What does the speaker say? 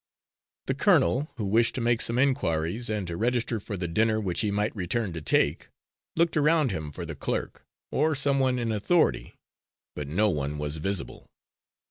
The colonel, who wished to make some inquiries and to register for the dinner which he might return to take, looked around him for the clerk, or some one in authority, but no one was visible.